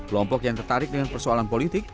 kelompok yang tertarik dengan persoalan politik